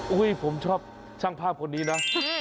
ผมชอบช่างภาพคนนี้นะ